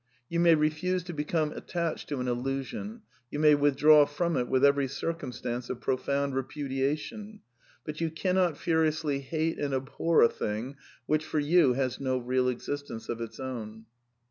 You may refuse to be come attached to an illusion, you may wiAdraw from it with every circumstance of profound repudiation ; but you cannot furiously hate and abhor a thing which, for you, has no real existence of its own.